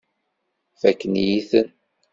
Fakken-iyi-ten.